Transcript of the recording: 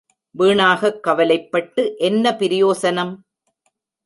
வீணாகக் கவலைப்பட்டு என்ன பிரயோசனம்?